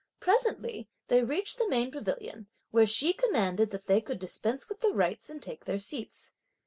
Presently they reached the main pavilion, where she commanded that they could dispense with the rites and take their seats.